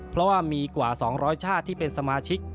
เพราะว่ามีกว่า๒๐๐ชาติที่เป็นสมาชิก